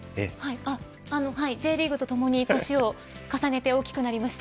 Ｊリーグとともに年を重ねて大きくなりました。